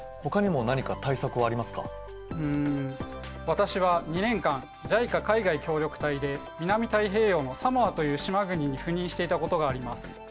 私は２年間ＪＩＣＡ海外協力隊で南太平洋のサモアという島国に赴任していたことがあります。